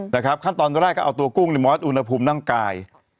แต่ครั้งตอนต่อได้ก็เอาตัวกุ้งในหมอดอุณหภูมินั่งกาย